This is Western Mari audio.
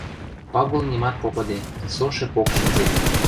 Пагул нимат попыде, со шӹпок шӹнзен.